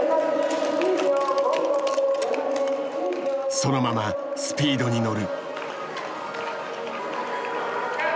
そのままスピードに乗る。